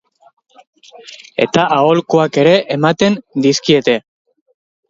Eta aholkuak ere ematen dizkiete.